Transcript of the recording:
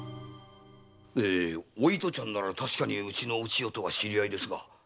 お糸ちゃんなら確かにおちよとは知り合いですが。